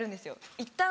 いったん。